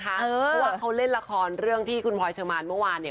เพราะว่าเขาเล่นละครเรื่องที่คุณพลอยเชอร์มานเมื่อวานเนี่ย